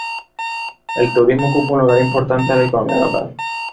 El turismo ocupa un lugar importante en la economía local.